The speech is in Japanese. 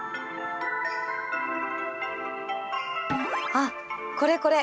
あ、これこれ。